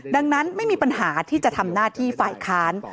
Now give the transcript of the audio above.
ดังนั้นไม่มีปัญหาที่จะทำหน้าที่ฝ่ายค้าน